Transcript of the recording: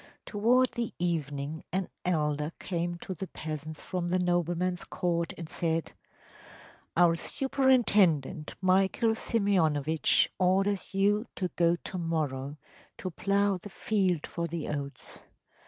Toward the evening an elder came to the peasants from the nobleman’s court and said: “Our superintendent, Michael Simeonovitch, orders you to go to morrow to plough the field for the oats.